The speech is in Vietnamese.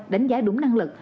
đánh giá đúng năng lực